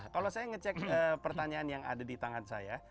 kalau saya ngecek pertanyaan yang ada di tangan saya